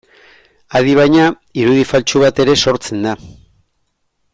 Adi baina, irudi faltsu bat ere sortzen da.